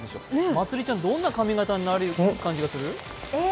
まつりちゃん、どんな髪形になる気がする？